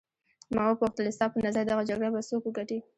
ما وپوښتل ستا په نظر دغه جګړه به څوک وګټي.